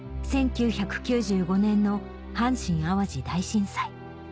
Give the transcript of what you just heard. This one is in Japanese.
１９９５年の阪神・淡路大震災